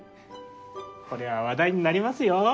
これは話題になりますよ。